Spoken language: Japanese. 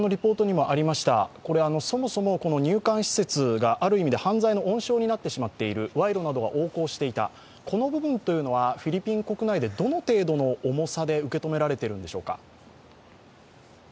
そもそも入管施設が、ある意味で犯罪の温床になってしまっている、賄賂などが横行していた、この部分はフィリピン国内でどの程度の重さで受け止められているのでしょうか。